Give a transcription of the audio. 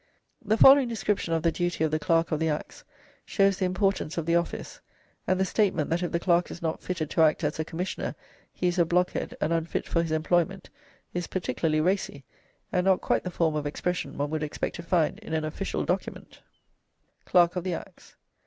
The following description of the duty of the Clerk of the Acts shows the importance of the office, and the statement that if the clerk is not fitted to act as a commissioner he is a blockhead and unfit for his employment is particularly racy, and not quite the form of expression one would expect to find in an official document: "CLERKE OF THE ACTS.